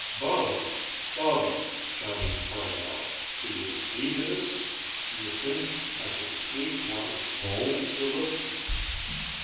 "Baba! Baba!" Johnny cried out. "Do you see this? Do you think I could sneak one home with us?"